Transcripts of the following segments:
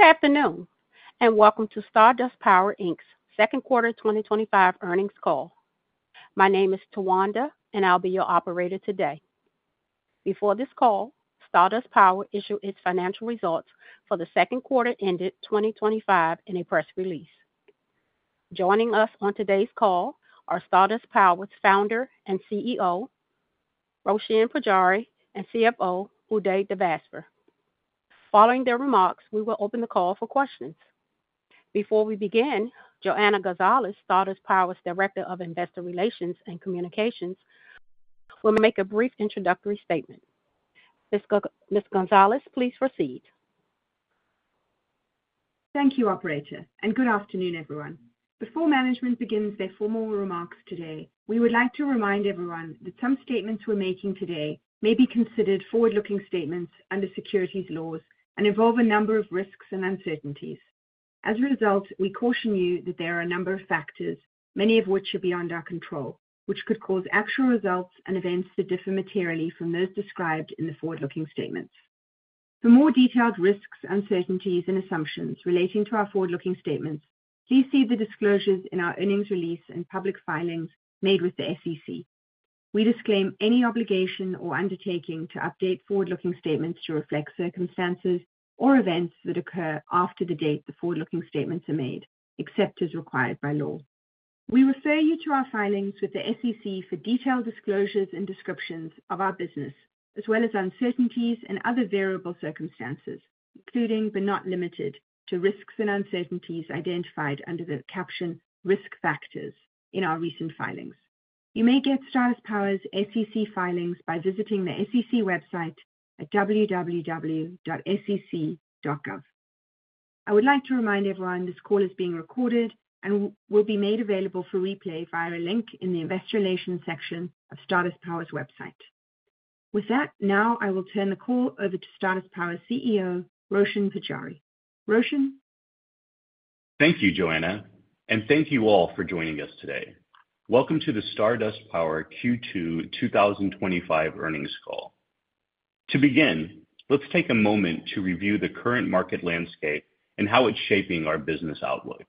Good afternoon and welcome to Stardust Power Inc.'s second quarter 2025 earnings call. My name is Tawanda, and I'll be your operator today. Before this call, Stardust Power issued its financial results for the second quarter ended 2025 in a press release. Joining us on today's call are Stardust Power's Founder and CEO, Roshan Pujari, and CFO, Uday Devasper. Following their remarks, we will open the call for questions. Before we begin, Johanna Gonzalez, Stardust Power's Director of Investor Relations and Communications, will make a brief introductory statement. Ms. Gonzalez, please proceed. Thank you, Operator, and good afternoon, everyone. Before management begins their formal remarks today, we would like to remind everyone that some statements we're making today may be considered forward-looking statements under securities laws and involve a number of risks and uncertainties. As a result, we caution you that there are a number of factors, many of which are beyond our control, which could cause actual results and events that differ materially from those described in the forward-looking statements. For more detailed risks, uncertainties, and assumptions relating to our forward-looking statements, please see the disclosures in our earnings release and public filings made with the SEC. We disclaim any obligation or undertaking to update forward-looking statements to reflect circumstances or events that occur after the date the forward-looking statements are made, except as required by law. We refer you to our filings with the SEC for detailed disclosures and descriptions of our business, as well as uncertainties and other variable circumstances, including but not limited to risks and uncertainties identified under the caption "risk factors" in our recent filings. You may get Stardust Power's SEC filings by visiting the SEC website at www.sec.gov. I would like to remind everyone this call is being recorded and will be made available for replay via a link in the Investor Relations section of Stardust Power's website. With that, now I will turn the call over to Stardust Power's CEO, Roshan Pujari. Roshan? Thank you, Johanna, and thank you all for joining us today. Welcome to the Stardust Power Q2 2025 earnings call. To begin, let's take a moment to review the current market landscape and how it's shaping our business outlook.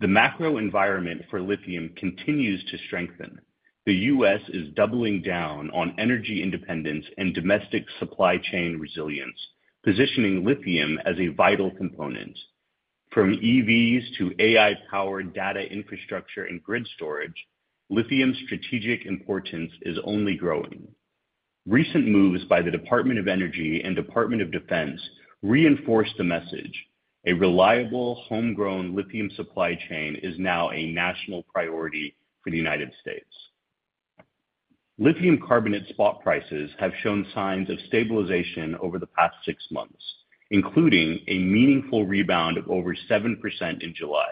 The macro environment for lithium continues to strengthen. The U.S. is doubling down on energy independence and domestic supply chain resilience, positioning lithium as a vital component. From EVs to AI-powered data infrastructure and grid storage, lithium's strategic importance is only growing. Recent moves by the Department of Energy and Department of Defense reinforce the message: a reliable, homegrown lithium supply chain is now a national priority for the United States. Lithium carbonate spot prices have shown signs of stabilization over the past six months, including a meaningful rebound of over 7% in July.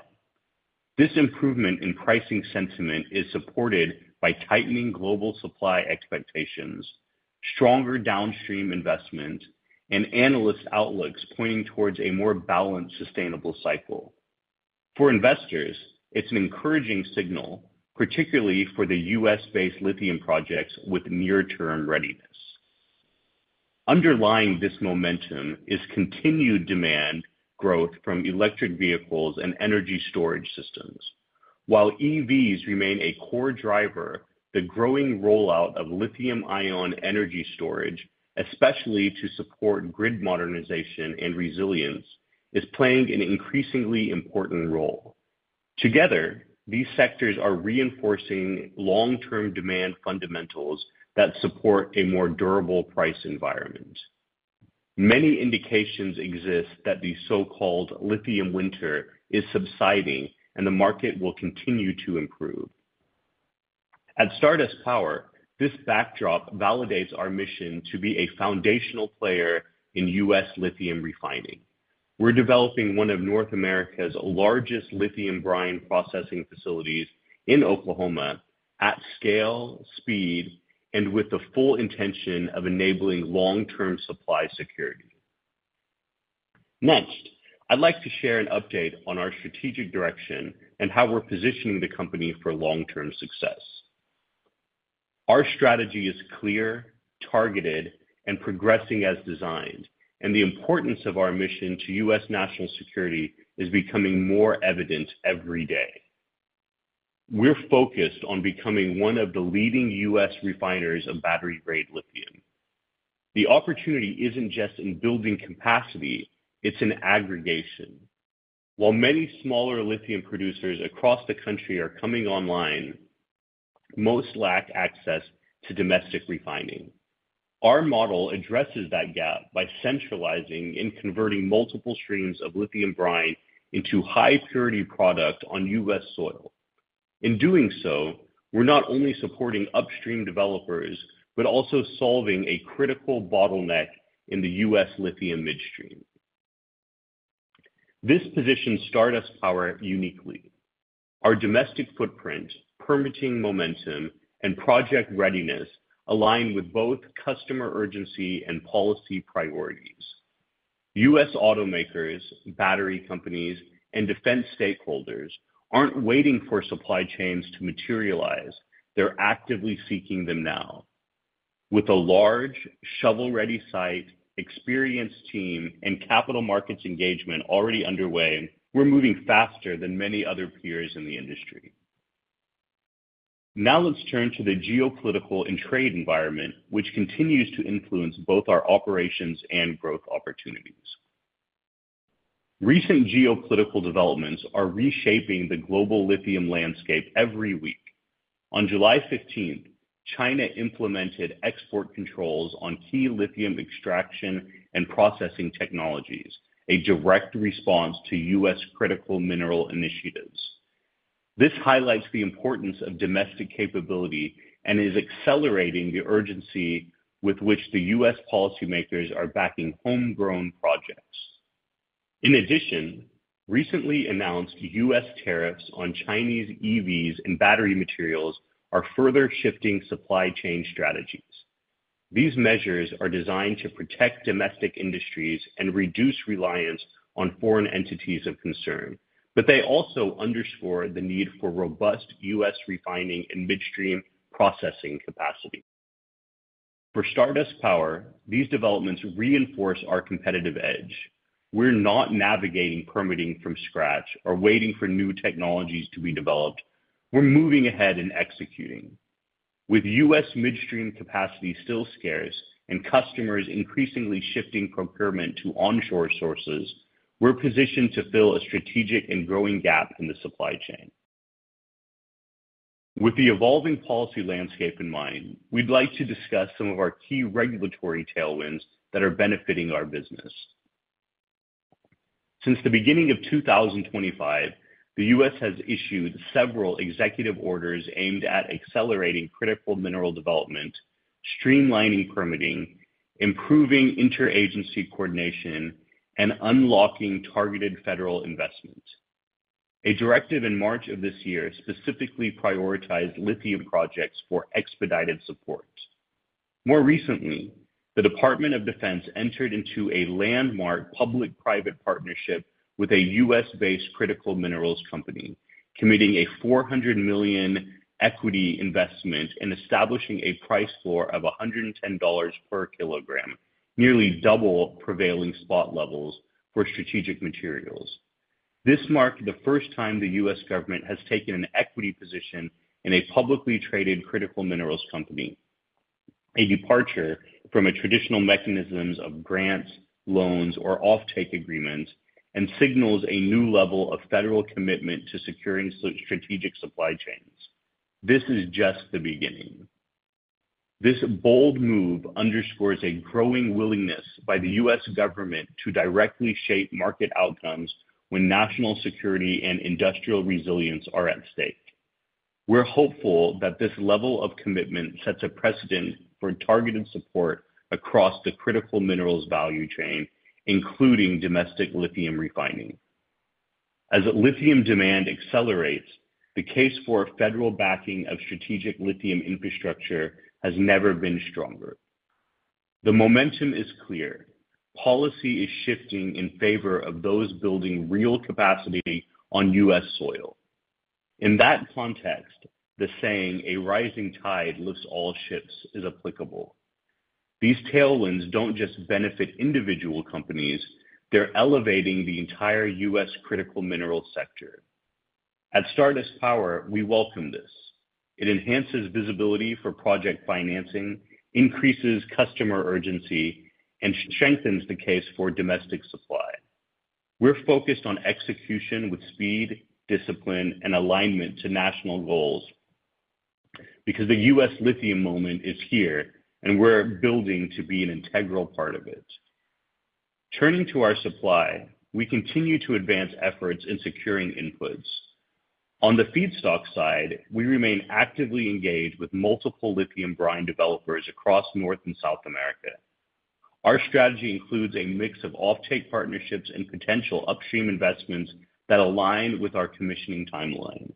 This improvement in pricing sentiment is supported by tightening global supply expectations, stronger downstream investment, and analyst outlooks pointing towards a more balanced, sustainable cycle. For investors, it's an encouraging signal, particularly for U.S.-based lithium projects with near-term readiness. Underlying this momentum is continued demand growth from electric vehicles and energy storage systems. While EVs remain a core driver, the growing rollout of lithium-ion energy storage, especially to support grid modernization and resilience, is playing an increasingly important role. Together, these sectors are reinforcing long-term demand fundamentals that support a more durable price environment. Many indications exist that the so-called "lithium winter" is subsiding and the market will continue to improve. At Stardust Power, this backdrop validates our mission to be a foundational player in U.S. lithium refining. We're developing one of North America's largest lithium brine processing facilities in Oklahoma at scale, speed, and with the full intention of enabling long-term supply security. Next, I'd like to share an update on our strategic direction and how we're positioning the company for long-term success. Our strategy is clear, targeted, and progressing as designed, and the importance of our mission to U.S. national security is becoming more evident every day. We're focused on becoming one of the leading U.S. refineries of battery-grade lithium. The opportunity isn't just in building capacity; it's in aggregation. While many smaller lithium producers across the country are coming online, most lack access to domestic refining. Our model addresses that gap by centralizing and converting multiple streams of lithium brine into high-purity product on U.S. soil. In doing so, we're not only supporting upstream developers but also solving a critical bottleneck in the U.S. lithium midstream. This positions Stardust Power uniquely. Our domestic footprint, permitting momentum, and project readiness align with both customer urgency and policy priorities. U.S. automakers, battery companies, and defense stakeholders aren't waiting for supply chains to materialize; they're actively seeking them now. With a large shovel-ready site, experienced team, and capital markets engagement already underway, we're moving faster than many other peers in the industry. Now let's turn to the geopolitical and trade environment, which continues to influence both our operations and growth opportunities. Recent geopolitical developments are reshaping the global lithium landscape every week. On July 15th, China implemented export controls on key lithium extraction and processing technologies, a direct response to U.S. critical mineral initiatives. This highlights the importance of domestic capability and is accelerating the urgency with which U.S. policymakers are backing homegrown projects. In addition, recently announced U.S. tariffs on Chinese EVs and battery materials are further shifting supply chain strategies. These measures are designed to protect domestic industries and reduce reliance on foreign entities of concern, but they also underscore the need for robust U.S. refining and midstream processing capacity. For Stardust Power, these developments reinforce our competitive edge. We're not navigating permitting from scratch or waiting for new technologies to be developed; we're moving ahead and executing. With U.S. midstream capacity still scarce and customers increasingly shifting procurement to onshore sources, we're positioned to fill a strategic and growing gap in the supply chain. With the evolving policy landscape in mind, we'd like to discuss some of our key regulatory tailwinds that are benefiting our business. Since the beginning of 2025, the U.S. has issued several executive orders aimed at accelerating critical mineral development, streamlining permitting, improving interagency coordination, and unlocking targeted federal investment. A directive in March of this year specifically prioritized lithium projects for expedited support. More recently, the Department of Defense entered into a landmark public-private partnership with a U.S.-based critical minerals company, committing a $400 million equity investment and establishing a price floor of $110 per kilogram, nearly double prevailing spot levels for strategic materials. This marked the first time the U.S. government has taken an equity position in a publicly traded critical minerals company. A departure from traditional mechanisms of grants, loans, or offtake agreements signals a new level of federal commitment to securing strategic supply chains. This is just the beginning. This bold move underscores a growing willingness by the U.S. government to directly shape market outcomes when national security and industrial resilience are at stake. We're hopeful that this level of commitment sets a precedent for targeted support across the critical minerals value chain, including domestic lithium refining. As lithium demand accelerates, the case for federal backing of strategic lithium infrastructure has never been stronger. The momentum is clear: policy is shifting in favor of those building real capacity on U.S. soil. In that context, the saying "a rising tide lifts all ships" is applicable. These tailwinds don't just benefit individual companies; they're elevating the entire U.S. critical mineral sector. At Stardust Power, we welcome this. It enhances visibility for project financing, increases customer urgency, and strengthens the case for domestic supply. We're focused on execution with speed, discipline, and alignment to national goals because the U.S. lithium moment is here, and we're building to be an integral part of it. Turning to our supply, we continue to advance efforts in securing inputs. On the feedstock side, we remain actively engaged with multiple lithium brine developers across North and South America. Our strategy includes a mix of offtake partnerships and potential upstream investments that align with our commissioning timeline.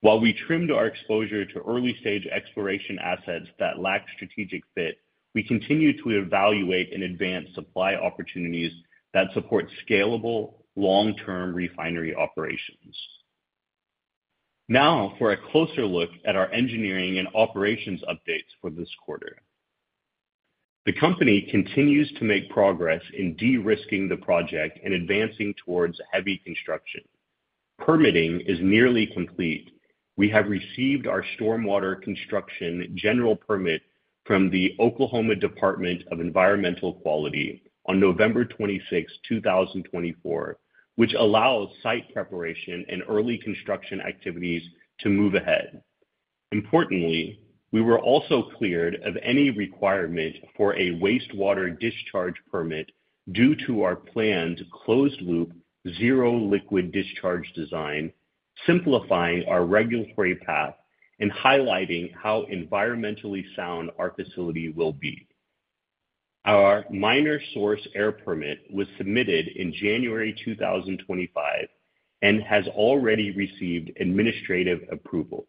While we trimmed our exposure to early-stage exploration assets that lack strategic fit, we continue to evaluate and advance supply opportunities that support scalable, long-term refinery operations. Now for a closer look at our engineering and operations updates for this quarter. The company continues to make progress in de-risking the project and advancing towards heavy construction. Permitting is nearly complete. We have received our stormwater construction general permit from the Oklahoma Department of Environmental Quality on November 26, 2024, which allows site preparation and early construction activities to move ahead. Importantly, we were also cleared of any requirement for a wastewater discharge permit due to our planned closed-loop, zero-liquid discharge design, simplifying our regulatory path and highlighting how environmentally sound our facility will be. Our minor source air permit was submitted in January 2025 and has already received administrative approval.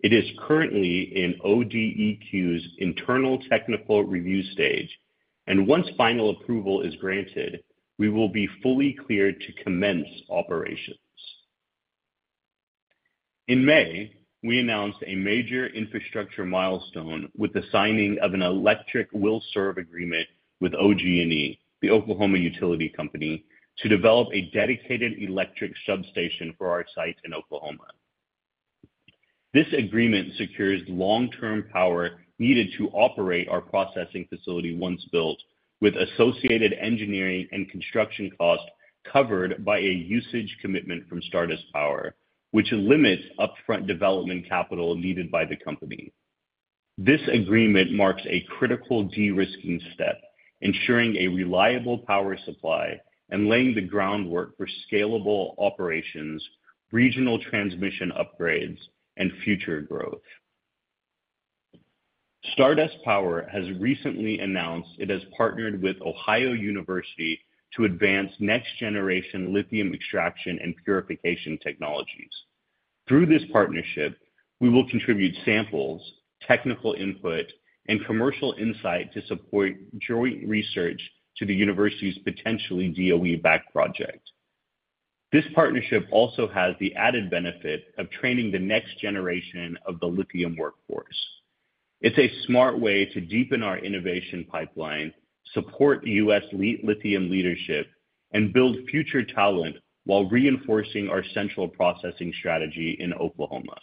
It is currently in ODEQ's internal technical review stage, and once final approval is granted, we will be fully cleared to commence operation. In May, we announced a major infrastructure milestone with the signing of an electric will-serve agreement with OG&E, the Oklahoma utility company, to develop a dedicated electric substation for our sites in Oklahoma. This agreement secures long-term power needed to operate our processing facility once built, with associated engineering and construction costs covered by a usage commitment from Stardust Power, which limits upfront development capital needed by the company. This agreement marks a critical de-risking step, ensuring a reliable power supply and laying the groundwork for scalable operations, regional transmission upgrades, and future growth. Stardust Power has recently announced it has partnered with Ohio University to advance next-generation lithium extraction and purification technologies. Through this partnership, we will contribute samples, technical input, and commercial insight to support joint research to the university's potentially DOE-backed project. This partnership also has the added benefit of training the next generation of the lithium workforce. It's a smart way to deepen our innovation pipeline, support U.S. lithium leadership, and build future talent while reinforcing our central processing strategy in Oklahoma.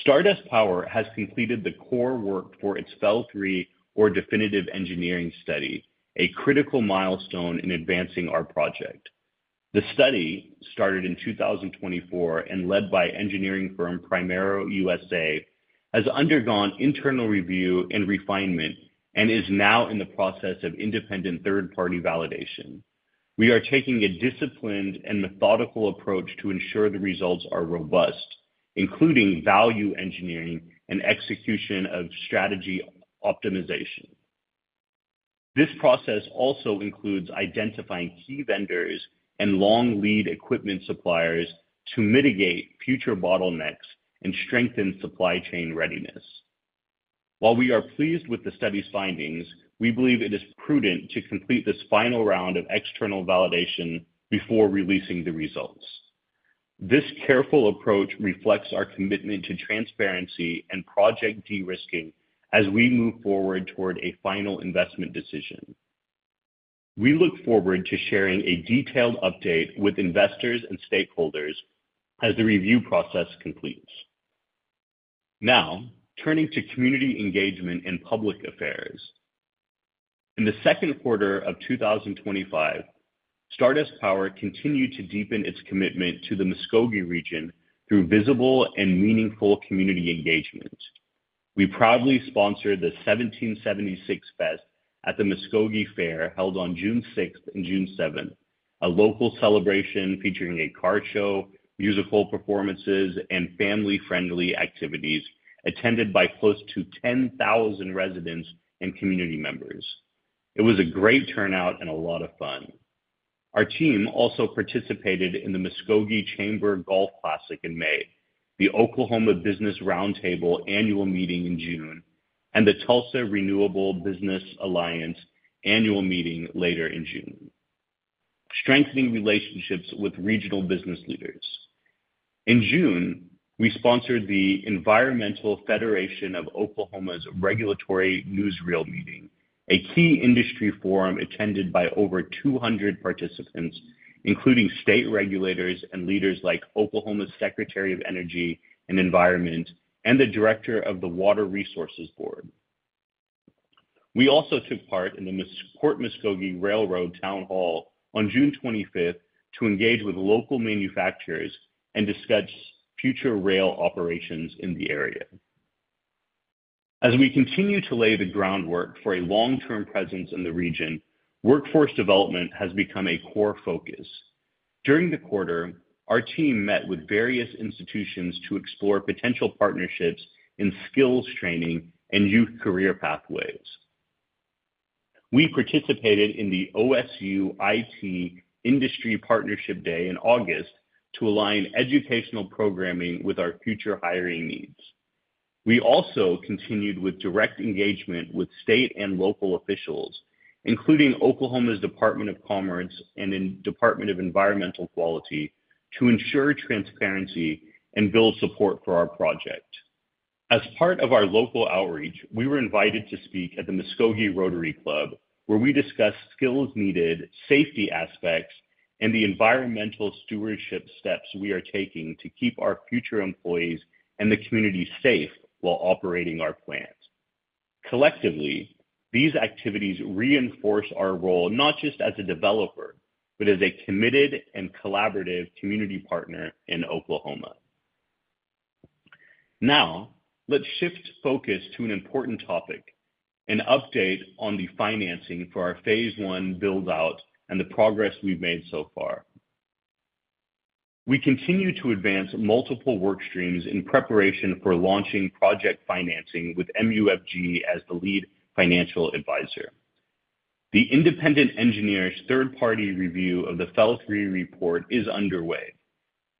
Stardust Power has completed the core work for its FEL3, or Definitive Engineering, study, a critical milestone in advancing our project. The study, started in 2024 and led by engineering firm Primero USA, has undergone internal review and refinement and is now in the process of independent third-party validation. We are taking a disciplined and methodical approach to ensure the results are robust, including Value Engineering and execution of strategy optimization. This process also includes identifying key vendors and long-lead equipment suppliers to mitigate future bottlenecks and strengthen supply chain readiness. While we are pleased with the study's findings, we believe it is prudent to complete this final round of external validation before releasing the results. This careful approach reflects our commitment to transparency and project de-risking as we move forward toward a final investment decision. We look forward to sharing a detailed update with investors and stakeholders as the review process completes. Now, turning to community engagement in public affairs. In the second quarter of 2025, Stardust Power continued to deepen its commitment to the Muskogee region through visible and meaningful community engagement. We proudly sponsored the 1776 Fest at the Muskogee Fair, held on June 6th and June 7th, a local celebration featuring a car show, musical performances, and family-friendly activities attended by close to 10,000 residents and community members. It was a great turnout and a lot of fun. Our team also participated in the Muskogee Chamber Golf Classic in May, the Oklahoma Business Roundtable annual meeting in June, and the Tulsa Renewable Business Alliance annual meeting later in June, strengthening relationships with regional business leaders. In June, we sponsored the Environmental Federation of Oklahoma's Regulatory Newsreel meeting, a key industry forum attended by over 200 participants, including state regulators and leaders like Oklahoma's Secretary of Energy and Environment and the Director of the Water Resources Board. We also took part in the Port Muskogee Railroad Town Hall on June 25th to engage with local manufacturers and discuss future rail operations in the area. As we continue to lay the groundwork for a long-term presence in the region, workforce development has become a core focus. During the quarter, our team met with various institutions to explore potential partnerships in skills training and youth career pathways. We participated in the OSU IT Industry Partnership Day in August to align educational programming with our future hiring needs. We also continued with direct engagement with state and local officials, including Oklahoma's Department of Commerce and the Department of Environmental Quality, to ensure transparency and build support for our project. As part of our local outreach, we were invited to speak at the Muskogee Rotary Club, where we discussed skills needed, safety aspects, and the environmental stewardship steps we are taking to keep our future employees and the community safe while operating our plant. Collectively, these activities reinforce our role not just as a developer, but as a committed and collaborative community partner in Oklahoma. Now, let's shift focus to an important topic: an update on the financing for our Phase I build-out and the progress we've made so far. We continue to advance multiple work streams in preparation for launching project financing with MUFG as the lead financial advisor. The independent engineer's third-party review of the FEL3 report is underway.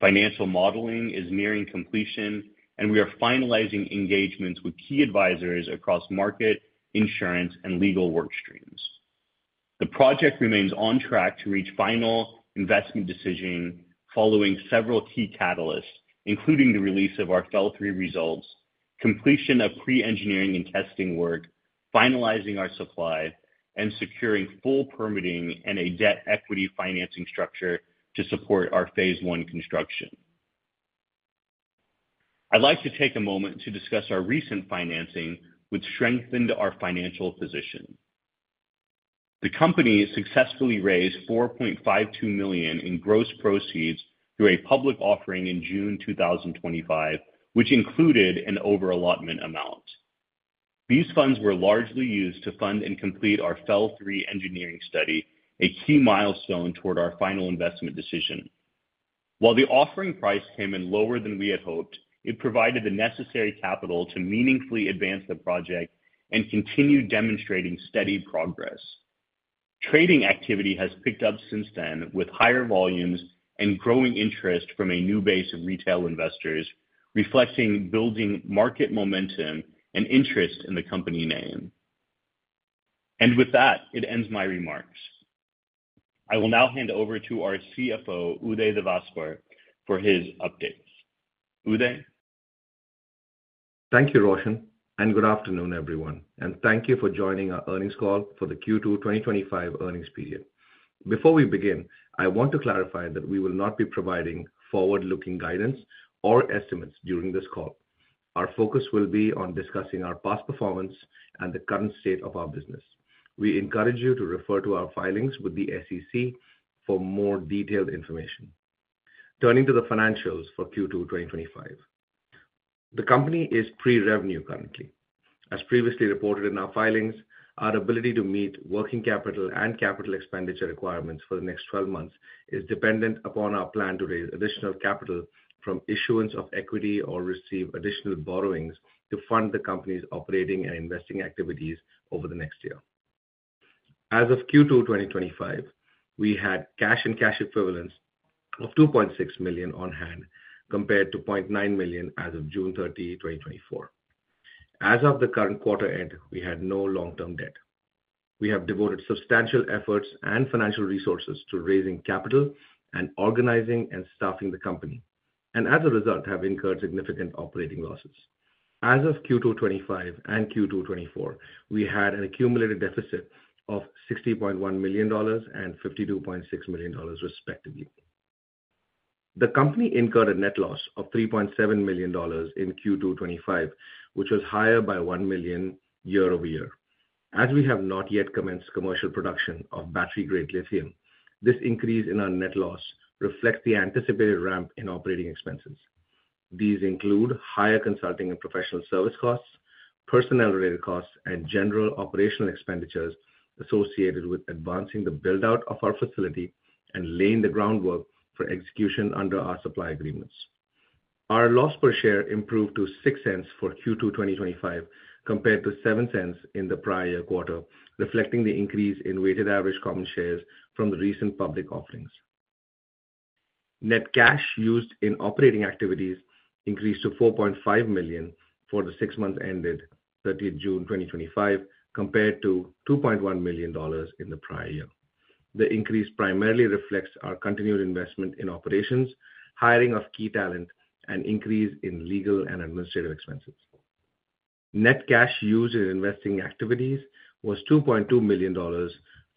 Financial modeling is nearing completion, and we are finalizing engagements with key advisors across market, insurance, and legal work streams. The project remains on track to reach final investment decision following several key catalysts, including the release of our FEL3 results, completion of pre-engineering and testing work, finalizing our supply, and securing full permitting and a debt equity financing structure to support our Phase I construction. I'd like to take a moment to discuss our recent financing, which strengthened our financial position. The company successfully raised $4.52 million in gross proceeds through a public offering in June 2025, which included an overallotment amount. These funds were largely used to fund and complete our FEL3 engineering study, a key milestone toward our final investment decision. While the offering price came in lower than we had hoped, it provided the necessary capital to meaningfully advance the project and continue demonstrating steady progress. Trading activity has picked up since then, with higher volumes and growing interest from a new base of retail investors, reflecting building market momentum and interest in the company name. That ends my remarks. I will now hand over to our CFO, Uday Devasper for his update. Uday? Thank you, Roshan, and good afternoon, everyone, and thank you for joining our earnings call for the Q2 2025 earnings period. Before we begin, I want to clarify that we will not be providing forward-looking guidance or estimates during this call. Our focus will be on discussing our past performance and the current state of our business. We encourage you to refer to our filings with the SEC for more detailed information. Turning to the financials for Q2 2025, the company is pre-revenue currently. As previously reported in our filings, our ability to meet working capital and capital expenditure requirements for the next 12 months is dependent upon our plan to raise additional capital from issuance of equity or receive additional borrowings to fund the company's operating and investing activities over the next year. As of Q2 2025, we had cash and cash equivalents of $2.6 million on hand, compared to $0.9 million as of June 30, 2024. As of the current quarter end, we had no long-term debt. We have devoted substantial efforts and financial resources to raising capital and organizing and staffing the company, and as a result, have incurred significant operating losses. As of Q2 2025 and Q2 2024, we had an accumulated deficit of $60.1 million and $52.6 million, respectively. The company incurred a net loss of $3.7 million in Q2 2025, which was higher by $1 million year-over-year. As we have not yet commenced commercial production of battery-grade lithium, this increase in our net loss reflects the anticipated ramp in operating expenses. These include higher consulting and professional service costs, personnel-related costs, and general operational expenditures associated with advancing the build-out of our facility and laying the groundwork for execution under our supply agreements. Our loss per share improved to $0.06 for Q2 2025 compared to $0.07 in the prior quarter, reflecting the increase in weighted average common shares from the recent public offerings. Net cash used in operating activities increased to $4.5 million for the six months ended June 30, 2025, compared to $2.1 million in the prior year. The increase primarily reflects our continued investment in operations, hiring of key talent, and increase in legal and administrative expenses. Net cash used in investing activities was $2.2 million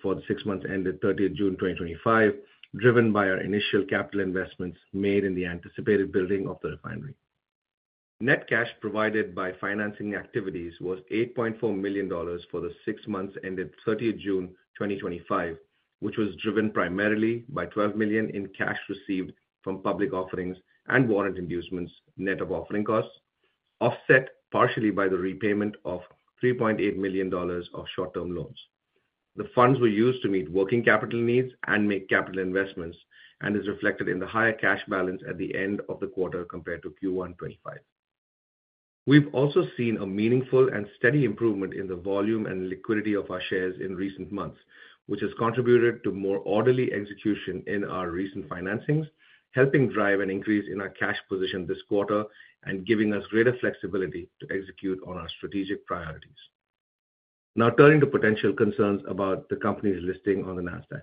for the six months ended June 30, 2025, driven by our initial capital investments made in the anticipated building of the refinery. Net cash provided by financing activities was $8.4 million for the six months ended June 30, 2025, which was driven primarily by $12 million in cash received from public offerings and warrant inducements net of offering costs, offset partially by the repayment of $3.8 million of short-term loans. The funds were used to meet working capital needs and make capital investments and is reflected in the higher cash balance at the end of the quarter compared to Q1 2025. We've also seen a meaningful and steady improvement in the volume and liquidity of our shares in recent months, which has contributed to more orderly execution in our recent financings, helping drive an increase in our cash position this quarter and giving us greater flexibility to execute on our strategic priorities. Now turning to potential concerns about the company's listing on the NASDAQ,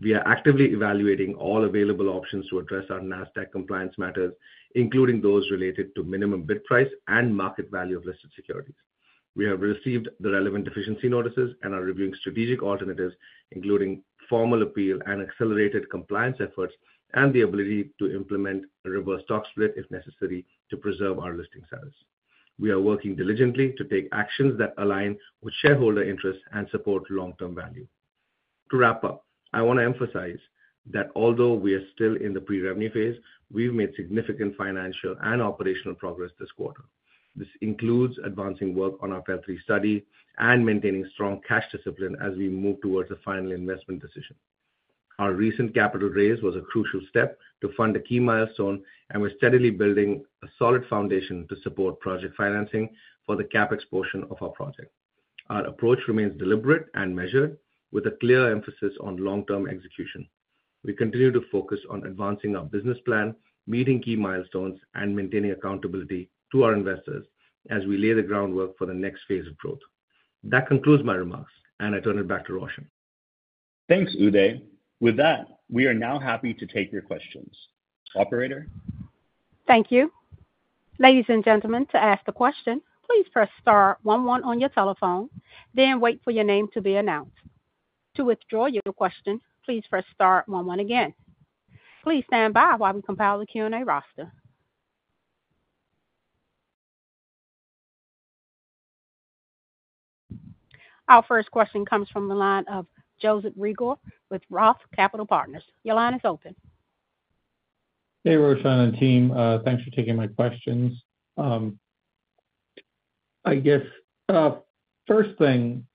we are actively evaluating all available options to address our NASDAQ compliance matters, including those related to minimum bid price and market value of listed securities. We have received the relevant deficiency notices and are reviewing strategic alternatives, including formal appeal and accelerated compliance efforts and the ability to implement a reverse stock split if necessary to preserve our listing status. We’re working diligently to take actions that align with shareholder interests and support long-term value. To wrap up, I want to emphasize that although we are still in the pre-revenue phase, we've made significant financial and operational progress this quarter. This includes advancing work on our FEL3 study and maintaining strong cash discipline as we move towards the final investment decision. Our recent capital raise was a crucial step to fund a key milestone, and we're steadily building a solid foundation to support project financing for the CapEx portion of our project. Our approach remains deliberate and measured, with a clear emphasis on long-term execution. We continue to focus on advancing our business plan, meeting key milestones, and maintaining accountability to our investors as we lay the groundwork for the next phase of growth. That concludes my remarks, and I turn it back to Roshan. Thanks, Uday. With that, we are now happy to take your questions. Operator? Thank you. Ladies and gentlemen, to ask a question, please press star one one on your telephone, then wait for your name to be announced. To withdraw your question, please press star one one again. Please stand by while we compile the Q&A roster. Our first question comes from the line of Joseph Regal with Roth Capital Partners. Your line is open. Hey, Roshan and team. Thanks for taking my questions. I guess, first thing,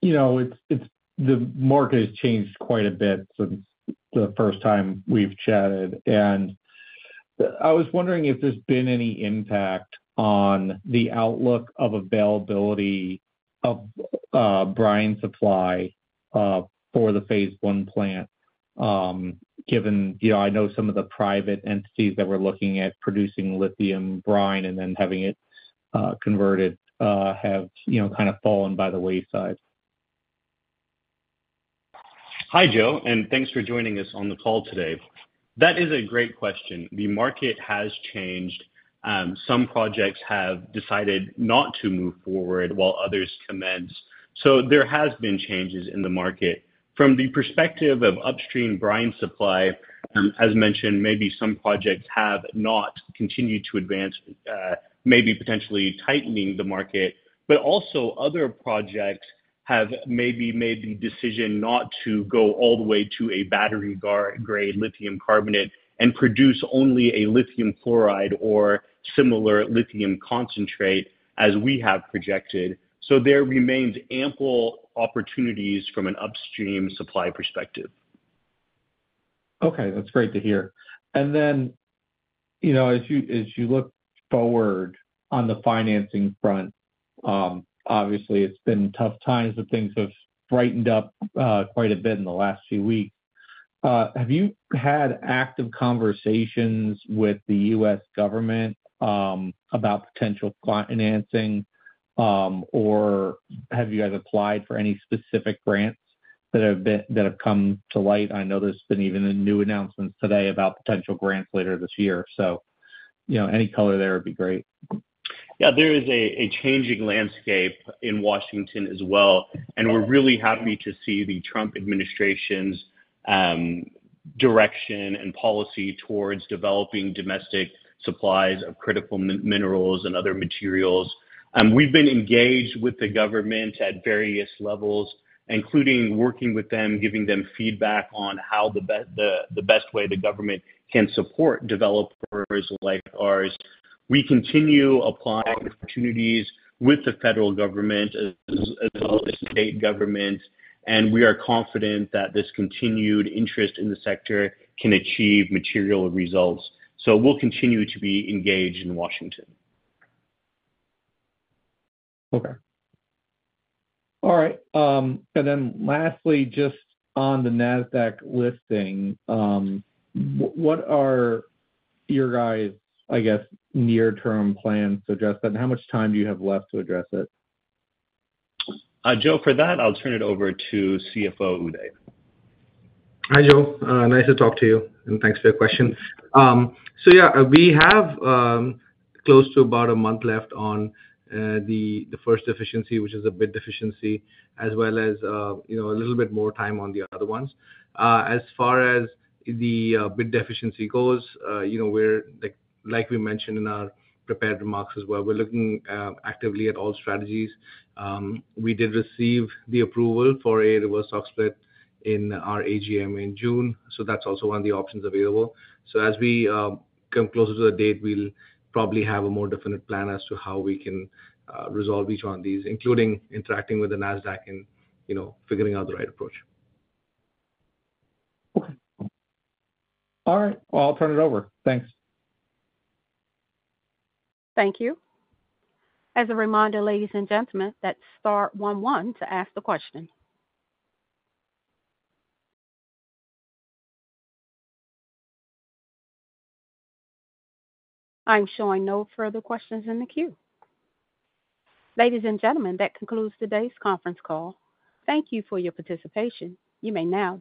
you know, the market has changed quite a bit since the first time we've chatted, and I was wondering if there's been any impact on the outlook of availability of brine supply for the Phase I plant, given, you know, I know some of the private entities that were looking at producing lithium brine and then having it converted have, you know, kind of fallen by the wayside. Hi, Joe, and thanks for joining us on the call today. That is a great question. The market has changed. Some projects have decided not to move forward while others commence, so there have been changes in the market. From the perspective of upstream brine supply, as mentioned, maybe some projects have not continued to advance, potentially tightening the market, but also other projects have maybe made the decision not to go all the way to a battery-grade lithium carbonate and produce only a lithium fluoride or similar lithium concentrate as we have projected. There remains ample opportunities from an upstream supply perspective. Okay, that's great to hear. As you look forward on the financing front, obviously it's been tough times, but things have brightened up quite a bit in the last few weeks. Have you had active conversations with the U.S. government about potential financing, or have you guys applied for any specific grants that have come to light? I know there's been even a new announcement today about potential grants later this year, so any color there would be great. Yeah, there is a changing landscape in Washington as well, and we're really happy to see the Trump administration's direction and policy towards developing domestic supplies of critical minerals and other materials. We've been engaged with the government at various levels, including working with them, giving them feedback on how the best way the government can support developers like ours. We continue applying for opportunities with the federal government as well as state governments, and we are confident that this continued interest in the sector can achieve material results. We will continue to be engaged in Washington. All right. Lastly, just on the NASDAQ listing, what are your guys, I guess, near-term plans to address that, and how much time do you have left to address it? Joe, for that, I'll turn it over to CFO Uday. Hi, Joe. Nice to talk to you, and thanks for your question. We have close to about a month left on the first deficiency, which is a bid deficiency, as well as a little bit more time on the other ones. As far as the bid deficiency goes, like we mentioned in our prepared remarks as well, we're looking actively at all strategies. We did receive the approval for a reverse stock split in our AGM in June, so that's also one of the options available. As we come closer to the date, we'll probably have a more definite plan as to how we can resolve each one of these, including interacting with NASDAQ and figuring out the right approach. All right. I'll turn it over. Thanks. Thank you. As a reminder, ladies and gentlemen, that's star one one to ask the question. I'm showing no further questions in the queue. Ladies and gentlemen, that concludes today's conference call. Thank you for your participation. You may now.